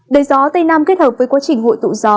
đời gió tây nam kết hợp với quá trình hội tụ gió